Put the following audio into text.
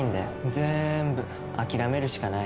ぜんぶ諦めるしかない。